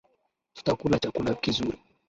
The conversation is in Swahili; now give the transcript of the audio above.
Tutakula chakula kizuri